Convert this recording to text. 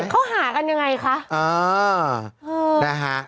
เขาหากันยังไงคะ